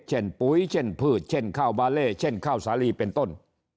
ปุ๋ยเช่นพืชเช่นข้าวบาเล่เช่นข้าวสาลีเป็นต้น